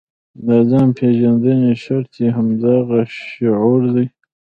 د ځان پېژندنې شرط یې همدغه شعور دی.